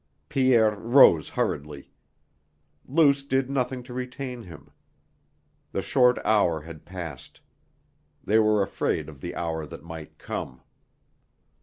Pierre rose hurriedly. Luce did nothing to retain him. The short hour had passed. They were afraid of the hour that might come.